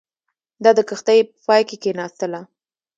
دا د کښتۍ په پای کې کښېناستله.